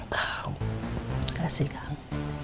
terima kasih kang